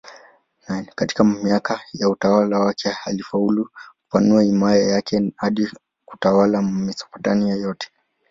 Katika miaka ya utawala wake alifaulu kupanua himaya yake hadi kutawala Mesopotamia yote.